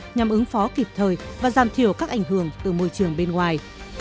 nhằm ứng phó kịp thời và giảm thiểu các ảnh hưởng từ môi trường bên ngoài